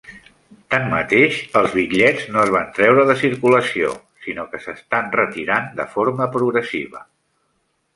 Tanmateix, els bitllets no es van treure de circulació, sinó que s'estan retirant de forma progressiva.